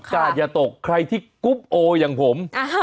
อย่าตกใครที่กรุ๊ปโออย่างผม